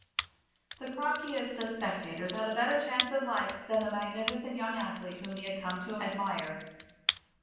The crockiest of spectators had a better chance of life than the magnificent young athlete whom he had come to admire.